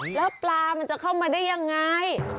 แล้วปลามันจะเข้ามาได้ยังไง